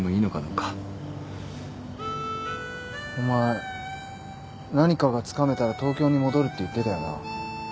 お前何かがつかめたら東京に戻るって言ってたよな。